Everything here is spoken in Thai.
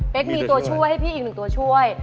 เป็นมีตัวช่วยให้พี่อีกหนึ่งตัวช่วย